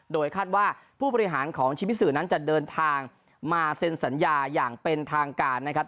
โดยคาดว่าผู้บริหารของชีวิตสื่อนั้นจะเดินทางมาเซ็นสัญญาอย่างเป็นทางการนะครับ